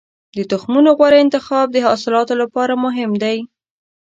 د تخمونو غوره انتخاب د حاصلاتو لپاره مهم دی.